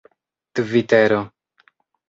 tvitero